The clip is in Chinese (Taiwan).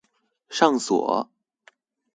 上鎖